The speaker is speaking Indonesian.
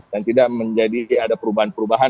dan tidak menjadi ada perubahan perubahan